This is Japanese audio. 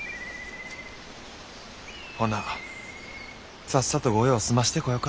ほなさっさと御用を済ましてこよか。